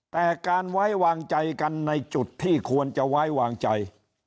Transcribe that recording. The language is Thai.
แต่การไว้วางใจกันในจุดที่ควรจะไว้วางใจ